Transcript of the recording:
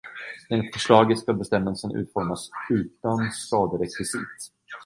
Enligt förslaget ska bestämmelsen utformas utan skaderekvisit.